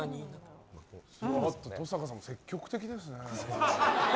登坂さん、積極的ですね。